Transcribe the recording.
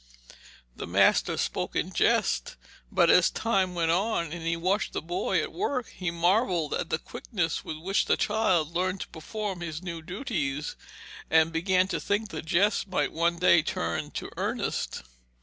The master spoke in jest, but as time went on and he watched the boy at work, he marvelled at the quickness with which the child learned to perform his new duties, and began to think the jest might one day turn to earnest.